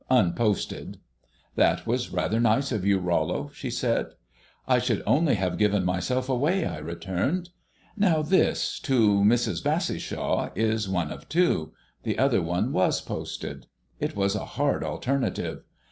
Unposted." "That was rather nice of you, Rollo," she said. "I should only have given myself away," I returned. "Now this, to Mrs. Bassishaw, is one of two the other one was posted. It was a hard alternative.